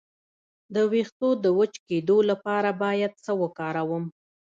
د ویښتو د وچ کیدو لپاره باید څه وکاروم؟